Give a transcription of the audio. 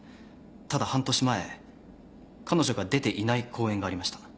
ただ半年前彼女が出ていない公演がありました。